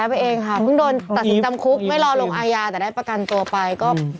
พึ่งโดนตัดสินจำคุกไม่รอลงอายาแต่ได้ประกันตัวไป